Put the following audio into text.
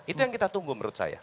itu yang kita tunggu menurut saya